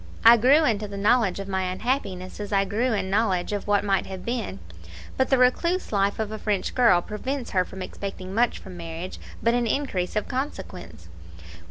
I grew into the knowledge of my unhappiness as I grew in knowledge of what might have been; but the recluse life of a French girl prevents her from expecting much from marriage but an increase of consequence.